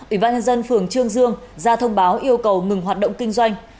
ủy ban nhân dân phường trương dương ra thông báo yêu cầu ngừng hoạt động kinh doanh